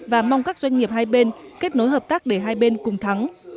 và mong các doanh nghiệp hai bên kết nối hợp tác để hai bên cùng thắng